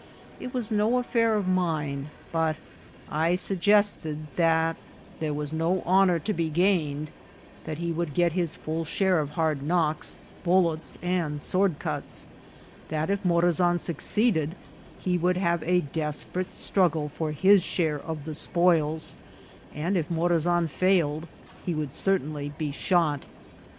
It was no affair of mine, but I suggested that there was no honour to be gained ; that he would get his full share of hard knocks, bullets, and sword cuts ; that if Morazan succeeded he would have a desperate struggle for his share of the spoils, and if Morazan failed he would certainly be shot.